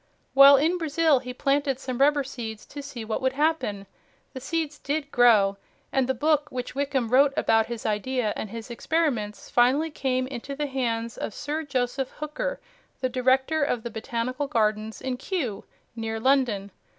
While in Brazil he planted some rubber seeds to see what would happen. The seeds DID grow, and the book which Wickham wrote about his idea and his experiments finally came into the hands of Sir Joseph Hooker, the Director of the Botanical Gardens in Kew, near London.